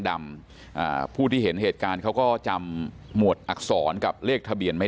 ดำอ่าผู้ที่เห็นเหตุการณ์เขาก็จำหมวดอักษรกับเลขทะเบียนไม่